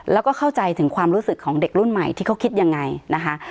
แล้วก็เข้าใจถึงความรู้สึกของเด็กรุ่นใหม่ที่เขาคิดยังไงนะคะ